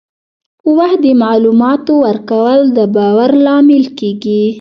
په وخت د معلوماتو ورکول د باور لامل کېږي.